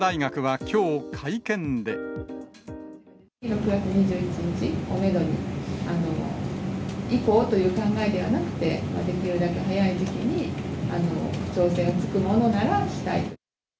６月２１日をメドに、以降という考えではなくて、できるだけ早い時期に、調整がつくものならしたい。